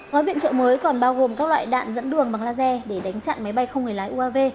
gói viện trợ mới còn bao gồm các loại đạn dẫn đường bằng laser để đánh chặn máy bay không người lái uav